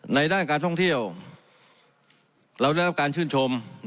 ด้านการท่องเที่ยวเราได้รับการชื่นชม